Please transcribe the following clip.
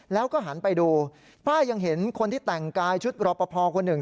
แล้วก็หันไปดูป้ายังเห็นคนที่แต่งกายชุดรอปภคนหนึ่ง